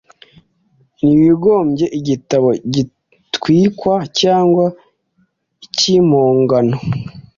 ntiwigombye igitambo gitwikwa cyangwa icy'impongano